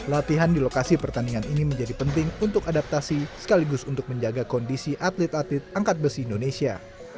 latihan di lokasi pertandingan ini menjadi penting untuk adaptasi sekaligus untuk menjaga kondisi atlet atlet angkat besi indonesia